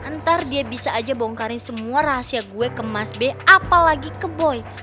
ntar dia bisa aja bongkarin semua rahasia gue ke mas b apalagi ke boy